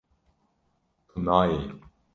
Tu nayê